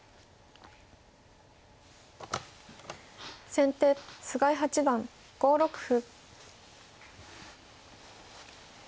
先手菅井八段５六歩。